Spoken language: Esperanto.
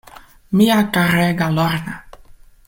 Mia karega Lorna.